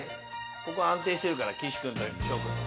ここ安定してるから岸君から紫耀君は。